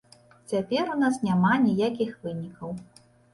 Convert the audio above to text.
Цяпер у нас няма ніякіх вынікаў.